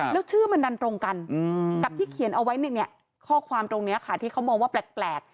แล้วชื่อมันดันตรงกันกับที่เขียนเอาไว้ในข้อความตรงนี้ค่ะที่เขามองว่าแปลก